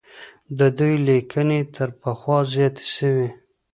د دوی ليکنې تر پخوا زياتې سوې.